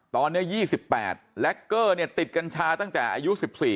ตอนนี้๒๘แล็กเกอร์ติดกัญชาตั้งแต่อายุ๑๔